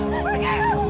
smalloi masalah tanggung